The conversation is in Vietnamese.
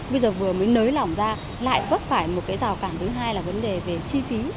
bây giờ vừa mới nới lỏng ra lại vấp phải một cái rào cản thứ hai là vấn đề về chi phí